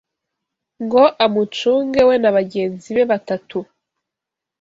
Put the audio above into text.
ngo amucunge we na bagenzi be batatu